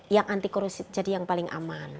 yang anti korupsi jadi yang paling aman